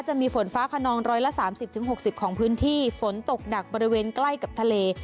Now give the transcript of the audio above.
จะมีฝนฟ้าขนองร้อยละ๓๐๖๐ของพื้นที่ฝนตกดักบริเวณใกล้กับทะเล